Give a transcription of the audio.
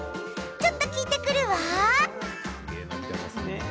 ちょっと聞いてくるわ。